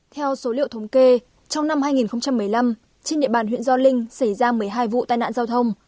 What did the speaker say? theo số liệu thống kê trong năm hai nghìn một mươi năm trên địa bàn huyện gio linh xảy ra một mươi hai vụ tai nạn giao thông